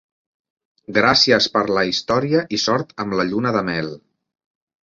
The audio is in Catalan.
Gràcies per la història i sort amb la lluna de mel.